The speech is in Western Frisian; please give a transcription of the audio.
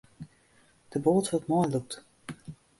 De boat wurdt meilûkt.